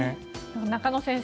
中野先生